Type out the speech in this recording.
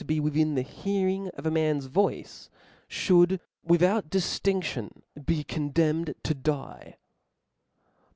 ^' be within the hearing of a man's voice, fliould with out diftinction be condemned to die.